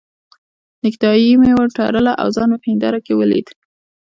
نېکټایي مې تړله او ځان مې په هنداره کې ولید.